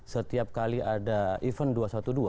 setiap kali ada event dua satu dua